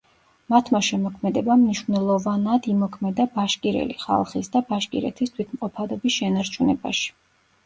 მათმა შემოქმედებამ მნიშვნელოვანად იმოქმედა ბაშკირელი ხალხის და ბაშკირეთის თვითმყოფადობის შენარჩუნებაში.